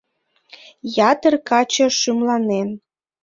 Ятыр каче шӱмланен.